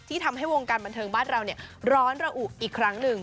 ทำให้วงการบันเทิงบ้านเราร้อนระอุอีกครั้งหนึ่ง